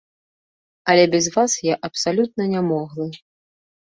Але без вас я абсалютна нямоглы.